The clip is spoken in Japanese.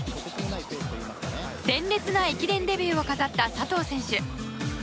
鮮烈な駅伝デビューを飾った佐藤選手。